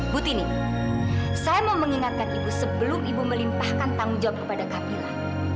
bu tini saya mau mengingatkan ibu sebelum ibu melimpahkan tanggung jawab kepada camilla